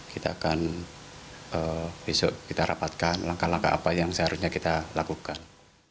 kita akan besok kita rapatkan langkah langkah apa yang seharusnya kita lakukan